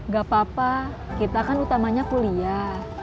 gak apa apa kita kan utamanya kuliah